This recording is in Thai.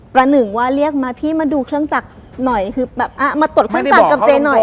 ประหนึ่งว่าเรียกมาพี่มาดูเครื่องจักรหน่อยคือแบบอ่ะมาตรวจเครื่องจักรกับเจ๊หน่อย